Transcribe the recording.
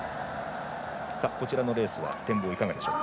こちらのレースは展望いかがでしょう。